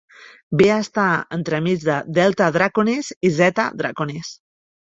Ve a estar entremig de Delta Draconis i Zeta Draconis.